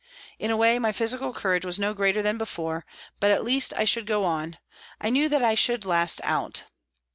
In a way my physical courage was no greater than before, but at least I should go on ; I knew that I should last out.